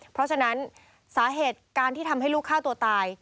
เพราะฉะนั้นสาเหตุการที่ทำให้ลูกฆ่าตัวตาย